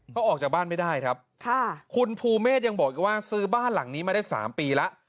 เขาออกจากบ้านไม่ได้ครับคุณภูเมฆยังบอกอีกว่าซื้อบ้านหลังนี้มาได้๓ปีแล้ว